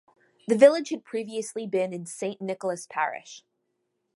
The village had previously been in Saint Nicholas Parish.